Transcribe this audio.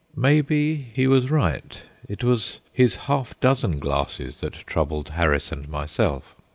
Maybe he was right. It was his half dozen glasses that troubled Harris and myself.